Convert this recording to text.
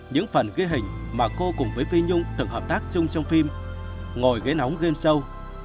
những phần ghi hình mà cô cùng với vi nhung từng hợp tác chung trong phim ngồi ghế nóng game show